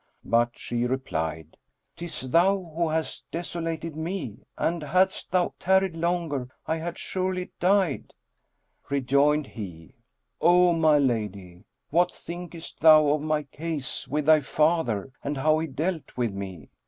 But she replied, "'Tis thou who hast desolated me; and hadst thou tarried longer, I had surely died!" Rejoined he, "O my lady, what thinkest thou of my case with thy father and how he dealt with me?